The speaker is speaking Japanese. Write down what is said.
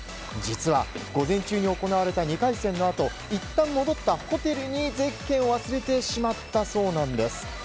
実は、午前中に行われた２回戦のあといったん戻ったホテルにゼッケンを忘れてしまったそうなんです。